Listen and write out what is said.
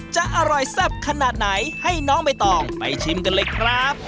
จะอร่อยแซ่บขนาดไหนให้น้องใบตองไปชิมกันเลยครับ